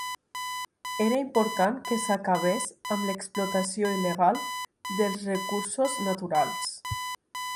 Era important que s'acabés amb l'explotació il·legal dels recursos naturals.